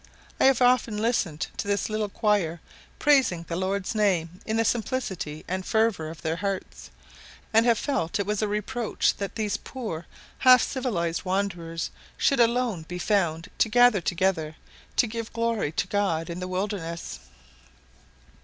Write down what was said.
I have often listened to this little choir praising the Lord's name in the simplicity and fervour of their hearts, and have felt it was a reproach that these poor half civilized wanderers should alone be found to gather together to give glory to God in the wilderness.